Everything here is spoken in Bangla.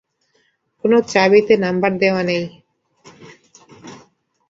কোনো চাবিতে নম্বর দেওয়া নেই।